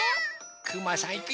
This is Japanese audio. くまさんいくよ。